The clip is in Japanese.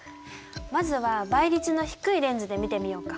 まずは倍率の低いレンズで見てみようか。